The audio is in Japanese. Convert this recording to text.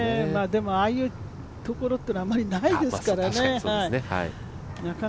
でも、ああいうところっていうのはないですからね。